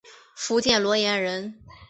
福建罗源人。